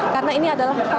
karena ini adalah